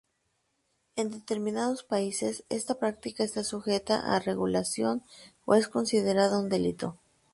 En determinados países, esta práctica está sujeta a regulación o es considerada un delito.